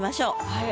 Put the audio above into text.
はい。